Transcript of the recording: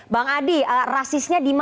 bang adi rasisnya di mana